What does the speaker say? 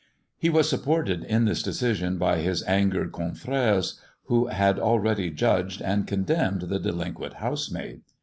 He was supported in this deciskmbfli^ ^[ his angered can/rh'es, who had already judged and (»|<^^^^ demned the delinquent housemaid.